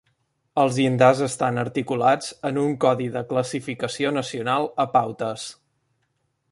Els llindars estan articulats en un Codi de classificació nacional a Pautes.